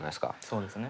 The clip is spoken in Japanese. そうですね。